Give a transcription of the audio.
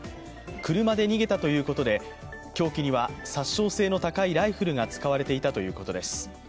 車で逃げたということで凶器には殺傷制の高いライフルが使われていたということです。